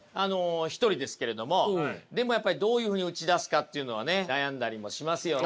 １人ですけれどもでもやっぱりどういうふうに打ち出すかっていうのはね悩んだりもしますよね。